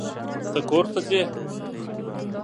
ته کورته ځې؟